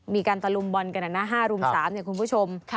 มีการตะลุมบอลกันนะห้ารุมสามอย่างคุณผู้ชม